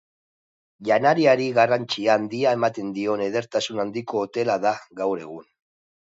Janariari garrantzia handia ematen dion edertasun handiko hotela da gaur egun.